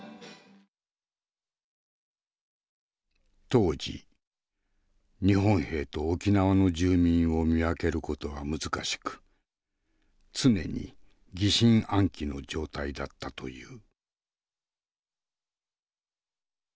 当時日本兵と沖縄の住民を見分ける事は難しく常に疑心暗鬼の状態だったという。